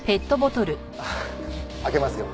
あっ開けますよ。